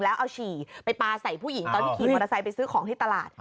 แล้วเอาฉี่ไปปลาใส่ผู้หญิงตอนที่ขี่มอเตอร์ไซค์ไปซื้อของที่ตลาด